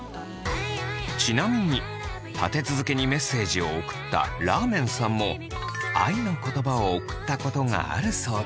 ちなみに立て続けにメッセージを送ったらーめんさんも愛の言葉を送ったことがあるそうで。